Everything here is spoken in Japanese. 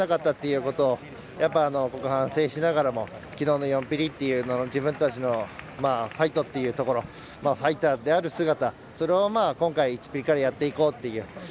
そこを反省しながらもきのうの４ピリというのを自分たちのファイトというところファイターである姿それを今回１ピリからやっていこうという。